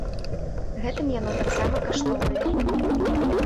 Гэтым яно таксама каштоўнае.